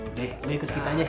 udah deh ikut kita aja